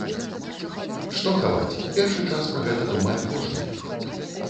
Што хаваць, першы час пра гэта думае кожны.